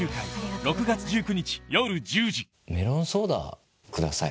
メロンソーダください。